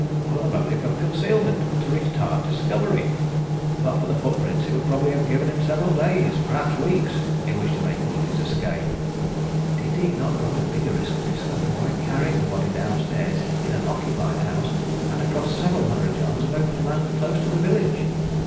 "For the motive of concealment, and to retard discovery. But for the footprints it would probably have given him several days perhaps weeks in which to make good his escape." "Did he not run a bigger risk of discovery by carrying the body downstairs in an occupied house, and across several hundred yards of open land close to the village?"